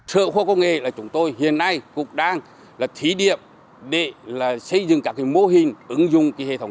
sở khoa công nghệ là chúng tôi hiện nay cũng đang là thí điểm để xây dựng các mô hình ứng dụng hệ thống